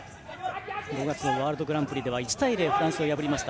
５月のワールドグランプリでは１対０でフランスを破りました。